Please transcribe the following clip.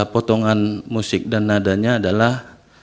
potongan musik dan nadanya adalah